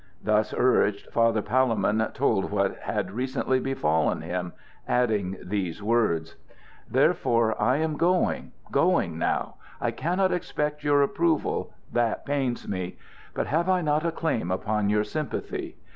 Thus urged, Father Palemon told what had recently befallen him, adding these words: "Therefore I am going going now. I cannot expect your approval: that pains me. But have I not a claim upon your sympathy?